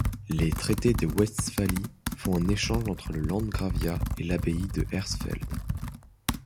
Les traités de Westphalie font un échange entre le landgraviat et l'abbaye de Hersfeld.